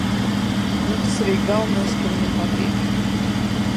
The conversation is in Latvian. Nu tas arī ir galvenais, ka viņam patīk.